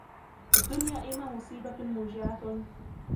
الدُّنْيَا إمَّا مُصِيبَةٌ مُوجِعَةٌ